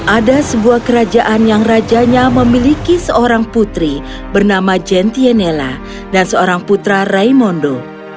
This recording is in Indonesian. ada sebuah kerajaan yang rajanya memiliki seorang putri bernama gentienela dan seorang putra raimondo